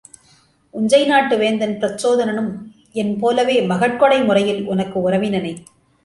உஞ்சை நாட்டு வேந்தன் பிரச்சோதனனும் என் போலவே மகட் கொடை முறையில் உனக்கு உறவினனே.